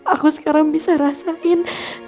aku sekarang bisa rasain